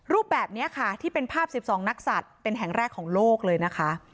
รูปแบบนี้ค่ะที่เป็นภาพ๑๒นักศัตริย์เป็นแห่งแรกของโลกเลยนะคะ